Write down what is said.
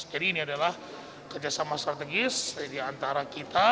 jadi ini adalah kerjasama strategis antara kita